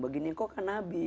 begini engkau kan nabi